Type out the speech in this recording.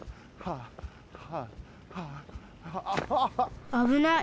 あぶない！